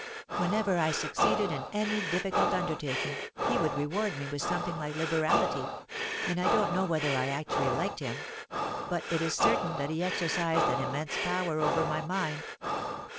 Whenever I succeeded in any difficult undertaking, he would reward me with something like liberality; and I don't know whether I actually liked him—but it is certain that he exercised an immense power over my mind.